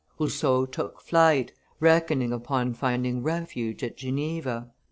Rousseau took flight, reckoning upon finding refuge at Geneva.